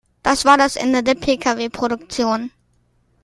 Das war das Ende der Pkw-Produktion.